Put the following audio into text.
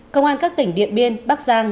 công an các tỉnh điện biên bắc giang